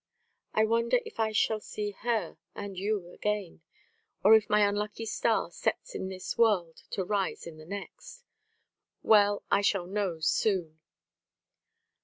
"I wonder if I shall see her and you again, or if my unlucky star sets in this world to rise in the next? Well, I shall know soon.